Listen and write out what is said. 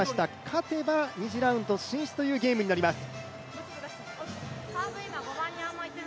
勝てば２次ラウンド進出というゲームになります。